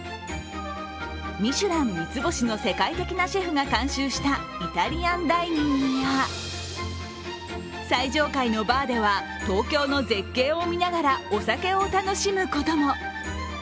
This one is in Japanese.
ミシュラン三つ星の世界的なシェフが監修したイタリアンダイニングや最上階のバーでは東京の絶景を見ながらお酒を楽しむことも。